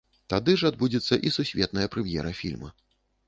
Тады ж адбудзецца і сусветная прэм'ера фільма.